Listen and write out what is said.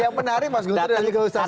yang menarik mas guntur dan juga ustadz